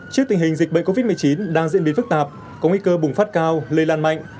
trước tình hình dịch bệnh covid một mươi chín đang diễn biến phức tạp có nguy cơ bùng phát cao lây lan mạnh